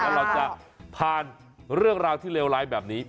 แล้วเราจะผ่านเรื่องราวที่เลวร้ายแบบนี้